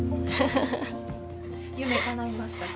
夢かないましたか？